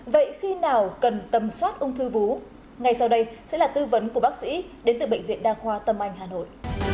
vậy khi nào cần tâm soát ung thư vú ngay sau đây sẽ là tư vấn của bác sĩ đến từ bệnh viện đa khoa tâm anh hà nội